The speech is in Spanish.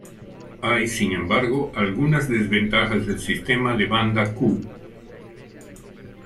Hay, sin embargo, algunas desventajas del sistema de banda Ku.